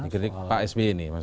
dikritik pak sp ini